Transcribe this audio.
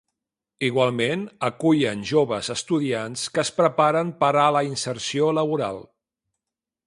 Igualment, acullen joves estudiants que es preparen per a la inserció laboral.